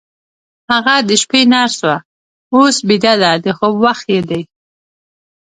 هغه د شپې نرس وه، اوس بیده ده، د خوب وخت یې دی.